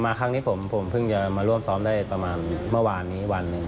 ครั้งนี้ผมเพิ่งจะมาร่วมซ้อมได้ประมาณเมื่อวานนี้วันหนึ่ง